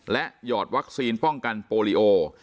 และหยอดวัคซีนป้องกันโปรลีโอ